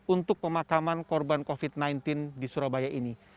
untuk pemakaman korban covid sembilan belas di surabaya ini